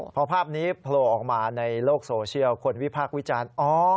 พอภาพนี้โผล่ออกมาในโลกโซเชียลคนวิพากษ์วิจารณ์